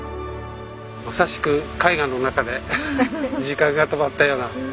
まさしく絵画の中で時間が止まったような。